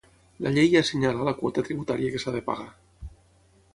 La llei ja senyala la quota tributària que s'ha de pagar